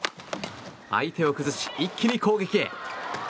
相手を崩し、一気に攻撃へ。